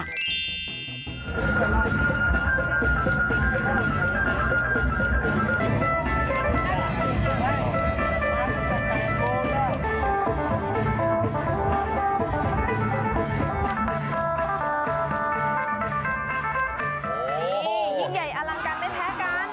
นี่ยิ่งใหญ่อลังการไม่แพ้กัน